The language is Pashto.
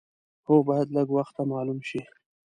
هو باید لږ وخته معلوم شي.